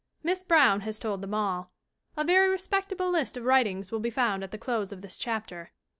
Miss Brown has told them all. A very respectable list of writings will be found at the close of this chapter.